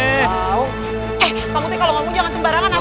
eh kamu tuh kalau ngomong jangan sembarangan aku